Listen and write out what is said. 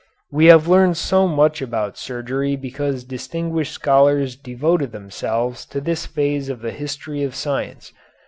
We have learned so much about surgery because distinguished scholars devoted themselves to this phase of the history of science.